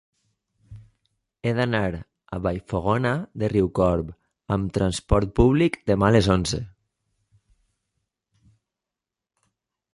He d'anar a Vallfogona de Riucorb amb trasport públic demà a les onze.